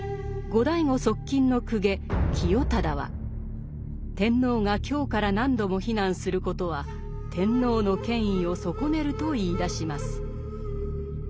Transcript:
後醍醐側近の公家清忠は天皇が京から何度も避難することは天皇の権威を損ねると言いだします。